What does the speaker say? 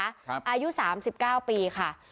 อายุ๓๙ปีค่ะ